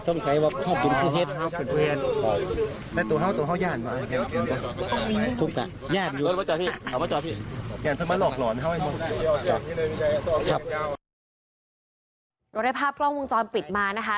ก็ได้ภาพกล้องวุทธวันปิดมานะคะ